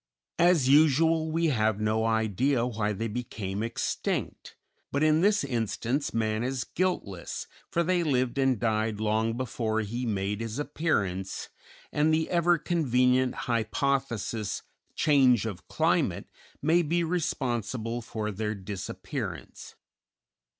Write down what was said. As usual, we have no idea why they became extinct, but in this instance man is guiltless, for they lived and died long before he made his appearance, and the ever convenient hypothesis "change of climate" may be responsible for their disappearance.